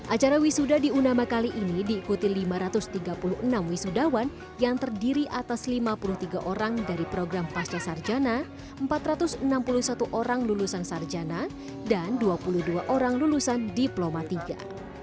acara wisuda di unama kali ini diikuti lima ratus tiga puluh enam wisudawan yang terdiri atas lima puluh tiga orang dari program pasca sarjana empat ratus enam puluh satu orang lulusan sarjana dan dua puluh dua orang lulusan diploma tiga